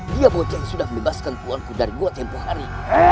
dia boceng sudah melepaskan tuanku dari gua tempoh hari